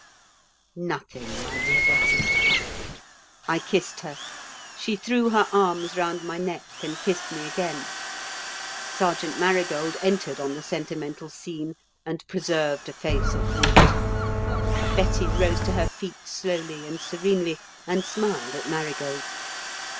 "Nothing, my dear Betty." I kissed her. She threw her arms round my neck and kissed me again. Sergeant Marigold entered on the sentimental scene and preserved a face of wood. Betty rose to her feet slowly and serenely and smiled at Marigold.